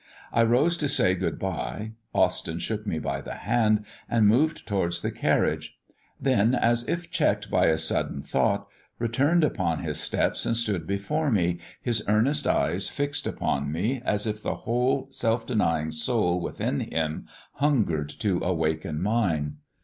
I rose to say good bye. Austyn shook me by the hand and moved towards the carriage; then, as if checked by a sudden thought, returned upon his steps and stood before me, his earnest eyes fixed upon me as if the whole self denying soul within him hungered to waken mine.